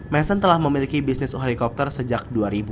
mason telah memiliki bisnis helikopter sejak dua ribu